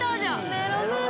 メロメロ